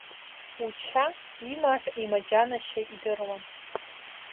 Уча имаҳә имаџьанашьа идыруан.